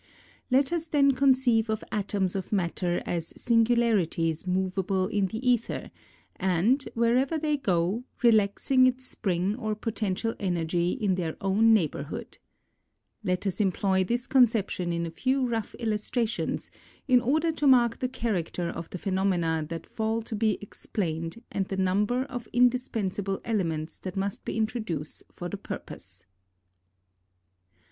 Let us then conceive of atoms of matter as singularities movable in the aether, and, wherever they go, relaxing its spring or potential energy in their own neighbour hood. Let us employ this conception in a few rough illustrations, in order to mark the character of the phenomena that fall to be explained and the number of indispensable elements that must be introduced for the purpose.